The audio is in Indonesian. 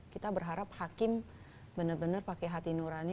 kita berharap hakim bener bener pakai hati nurani